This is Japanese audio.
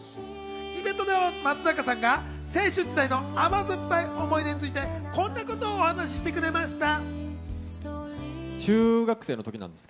イベントでは松坂さんが青春時代の甘酸っぱい思い出について、こんなことをお話してくれました。